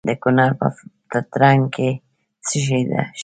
د کونړ په نرنګ کې څه شی شته؟